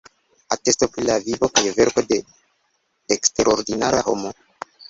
Atesto pri la vivo kaj verko de eksterordinara homo".